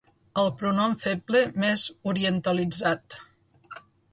El pronom feble més orientalitzat.